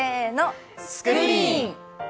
スクリーン。